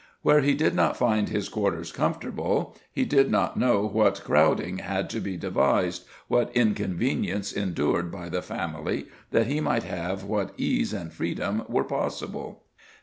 Where he did not find his quarters comfortable, he did not know what crowding had to be devised, what inconveniences endured by the family, that he might have what ease and freedom were possible.